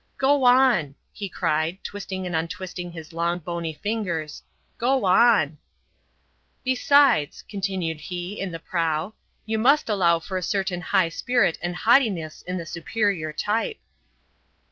"Go on!" he cried, twisting and untwisting his long, bony fingers, "go on!" "Besides," continued he, in the prow, "you must allow for a certain high spirit and haughtiness in the superior type."